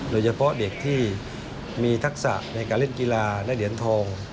โดยเฉพาะเด็กที่มีทักษะในการเล่นกีฬาและเหรียญทอง